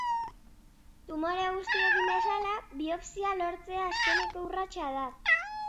Tumore guztiekin bezala, biopsia lortzea azkeneko urratsa da.